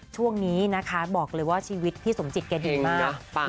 ช่วงนี้นะคะบอกเลยว่าชีวิตพี่สมจิตแกดีมาก